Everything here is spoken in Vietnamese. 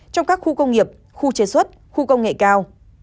trong các khu công nghiệp khu chế xuất khu công nghệ cao